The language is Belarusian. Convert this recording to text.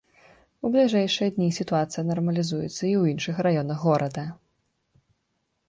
У бліжэйшыя дні сітуацыя нармалізуецца і ў іншых раёнах горада.